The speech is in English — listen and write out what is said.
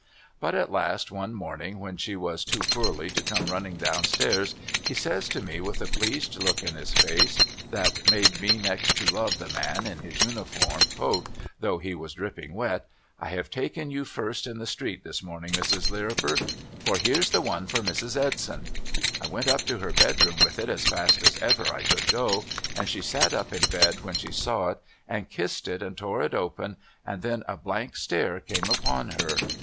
But at last one morning when she was too poorly to come running down stairs he says to me with a pleased look in his face that made me next to love the man in his uniform coat though he was dripping wet ' I have taken you first in the street this morn ing Mrs. Lirriper, for here's the one for Mrs. Edson.' I went up to her bedroom with it as fast as ever I could go, and she sat up in bed when she saw it and kissed it and tore it open and then a blank stare came upon her.